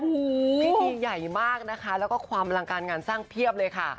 พิธีใหญ่มากนะคะแล้วก็ความอลังการงานสร้างเพียบเลยค่ะ